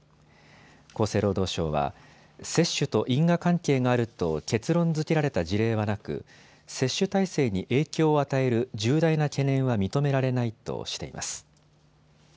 厚生労働省は接種と因果関係があると結論づけられた事例はなく接種体制に影響を与える重大な懸念は認められないとしています。